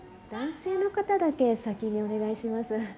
男性の方だけ先にお願いします。